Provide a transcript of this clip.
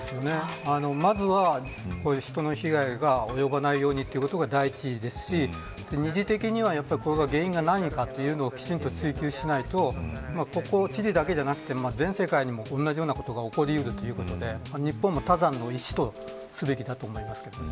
まずは人の被害が及ばないようにということが第一ですし二次的には原因が何かということをきちんと追及しないとチリだけでなく、全世界にも同じようなことが起こり得るということで日本も他山の石とすべきだと思います。